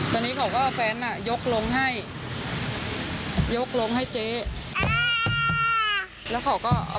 ตอนนี้ลำบากมากเลยครับ